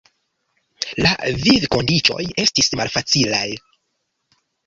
La vivkondiĉoj estis malfacilaj.